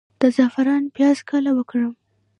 د زعفرانو پیاز کله وکرم؟